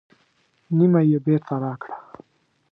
نیمه یې بېرته راکړه.